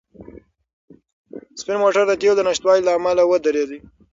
سپین موټر د تېلو د نشتوالي له امله ودرېد.